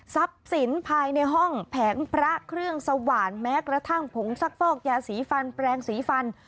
ทรัพย์ศิลป์ภายในห้องแผงพระเครื่องสะวัญแม้กระทั่งผงซักฟอกยาสีฟันแปรงสีฟัน